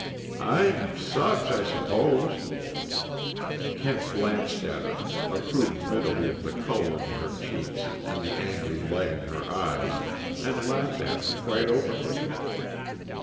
"I'm such, I suppose!" Kent glanced at her, approved mentally of the color in her cheeks and the angry light in her eyes, and laughed at her quite openly.